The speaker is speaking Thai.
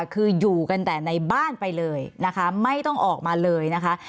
คืออยู่กันแต่ในบ้านไปเลยนะคะไม่ต้องออกมาเลยนะคะ